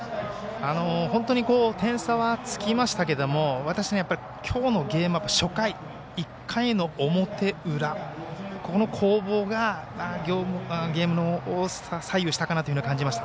本当に点差はつきましたけれども私、今日のゲームは初回１回の表裏この攻防がゲームを左右したと感じました。